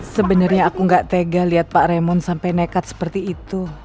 sebenarnya aku nggak tega liat pak raymond sampai nekat seperti itu